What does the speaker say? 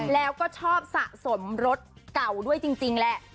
แล้วก็ชอบสะสมรถเก่าด้วยจริงแหละ